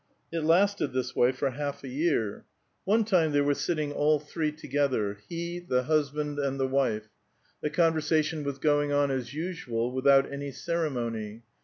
It lasted this way for half a year. One A VITAL QUESTION. 208 time they were sitting all three together : he, the husband, and the wife. The conversation was going on as usual, witii out any ceremony.